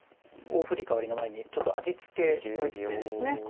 大振り替わりの前にちょっと味つけの一手ですね